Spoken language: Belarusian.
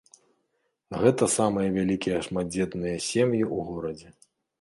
Гэта самыя вялікія шматдзетныя сем'і ў горадзе.